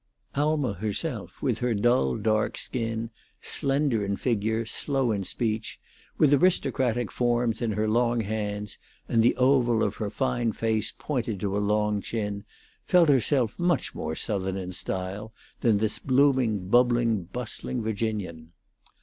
Alma herself, with her dull, dark skin, slender in figure, slow in speech, with aristocratic forms in her long hands, and the oval of her fine face pointed to a long chin, felt herself much more Southern in style than this blooming, bubbling, bustling Virginian.